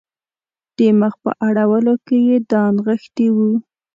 د مخ په اړولو کې یې دا نغښتي وو.